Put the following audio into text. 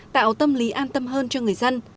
tạo tâm lý an tâm hơn cho người dân